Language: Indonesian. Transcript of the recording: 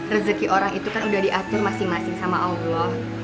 rezeki orang itu kan udah diatur masing masing sama allah